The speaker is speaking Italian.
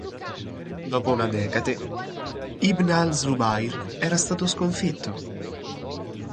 Dopo una decade Ibn al-Zubayr era stato sconfitto.